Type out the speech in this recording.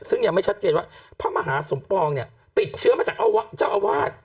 ซึ่งยังไม่ชัดเจนว่าพระมหาสมปองเนี่ยติดเชื้อมาจากเจ้าอาวาส